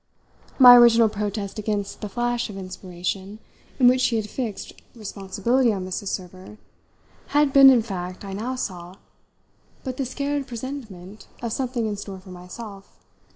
My original protest against the flash of inspiration in which she had fixed responsibility on Mrs. Server had been in fact, I now saw, but the scared presentiment of something in store for myself.